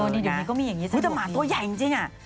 นี่เดี๋ยวนี้ก็มีอย่างนี้สิแต่หมาตัวใหญ่จริงอ่ะ